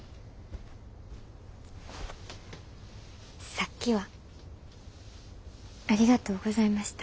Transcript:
さっきはありがとうございました。